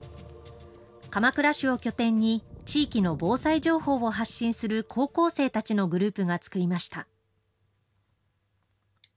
鎌倉市を拠点に、地域の防災情報を発信する高校生たちのグループが作りました。